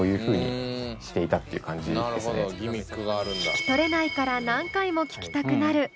聴き取れないから何回も聴きたくなる。